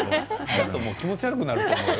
気持ち悪くなると思うよ。